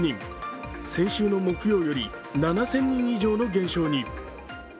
先週の木曜より７０００人以上の減少に。